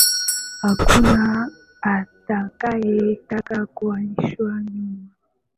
Hakuna atakaye taka kuachwa nyuma